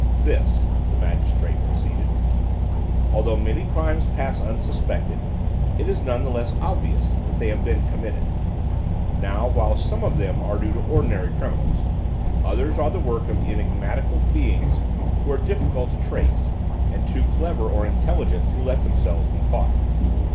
"This," the magistrate proceeded: "although many crimes pass unsuspected it is none the less obvious that they have been committed; now while some of them are due to ordinary criminals, others are the work of enigmatical beings who are difficult to trace and too clever or intelligent to let themselves be caught.